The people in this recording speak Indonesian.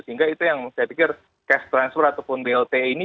sehingga itu yang saya pikir cash transfer ataupun blt ini